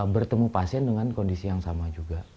bertemu pasien dengan kondisi yang sama juga